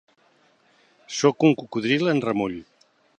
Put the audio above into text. Sóc un cocodril en remull.